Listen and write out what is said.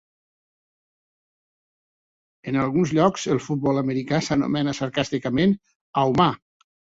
En alguns llocs, el futbol americà s'anomena sarcàsticament "ou-mà".